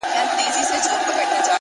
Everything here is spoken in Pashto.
ملا سړی سو اوس پر لاره د آدم راغی’’